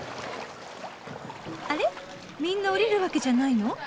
あれみんな降りるわけじゃないの？